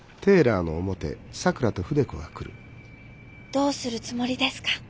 どうするつもりですか？